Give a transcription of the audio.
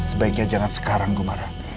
sebaiknya jangan sekarang gumara